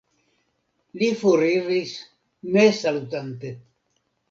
Li foriris, ne salutante.